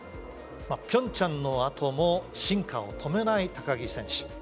ピョンチャンのあとも進化を止めない木選手。